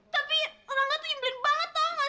tapi orang orang tuh nyembelin banget tau gak